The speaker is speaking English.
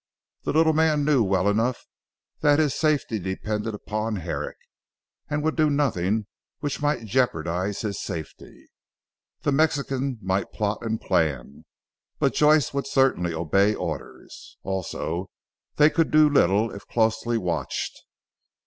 The little man knew well enough that his safety depended upon Herrick, and would do nothing which might jeopardise his safety. The Mexican might plot and plan; but Joyce would certainly obey orders. Also, they could do little if closely watched.